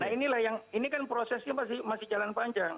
nah inilah yang ini kan prosesnya masih jalan panjang